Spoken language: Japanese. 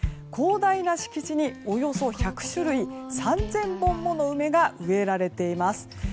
広大な敷地におよそ１００種類３０００本もの梅が植えられています。